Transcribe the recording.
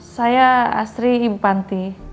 saya astri ibu panti